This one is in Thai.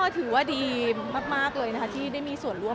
ถือว่าดีมากเลยที่ได้มีส่วนร่วม